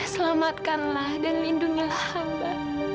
selamatkanlah dan lindungilah hamba